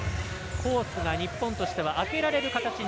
コートが日本としては開けられる形。